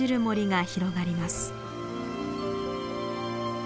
森が広がります。